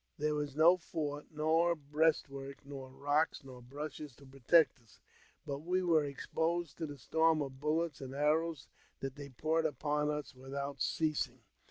There was no fort, nor breast work, nor rocks, nor bushes to protect us, but we were exposed to the storm of bullets and arrows that they poured upon us without ceasing.